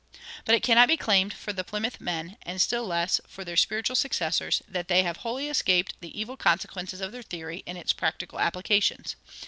But it cannot be claimed for the Plymouth men, and still less for their spiritual successors, that they have wholly escaped the evil consequences of their theory in its practical applications.